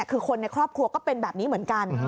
คือคนในครอบครัวก็เป็นแบบนี้เหมือนกัน